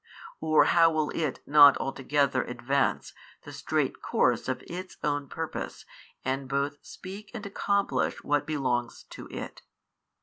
or how will It not altogether advance the straight course of Its own Purpose and both speak and accomplish what belongs to It?